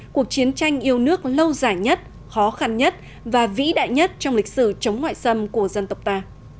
cuộc chiến tranh yêu nước lâu dài nhất khó khăn nhất và vĩ đại nhất trong lịch sử chống ngoại xâm của dân tộc ta